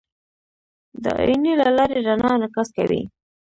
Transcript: د آیینې له لارې رڼا انعکاس کوي.